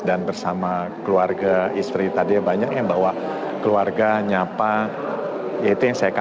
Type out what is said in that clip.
bersama keluarga istri tadi banyak yang bawa keluarga nyapa ya itu yang saya